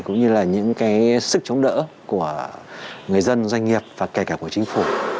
cũng như là những cái sức chống đỡ của người dân doanh nghiệp và kể cả của chính phủ